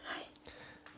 はい。